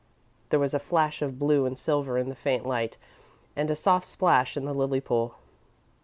There was a flash of blue and silver in the faint light, and a soft splash in the lily pool.